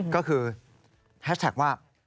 ก็คือแฮชแท็กว่า